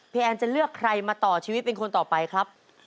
แอนจะเลือกใครมาต่อชีวิตเป็นคนต่อไปครับ